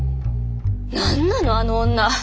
何なのあの女！